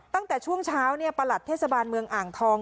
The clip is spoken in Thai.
ตั้งแต่ช่วงเช้าประหลัดเทศบาลเมืองอ่างทอง